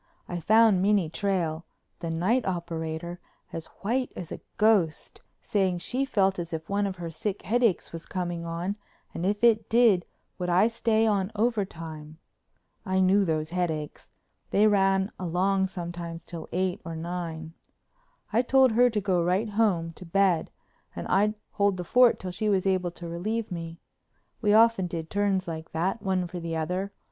I found Minnie Trail, the night operator, as white as a ghost, saying she felt as if one of her sick headaches was coming on and if it did would I stay on over time? I knew those headaches—they ran along sometimes till eight or nine. I told her to go right home to bed and I'd hold the fort till she was able to relieve me. We often did turns like that, one for the other.